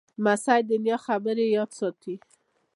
لمسی د نیا خبرې یاد ساتي.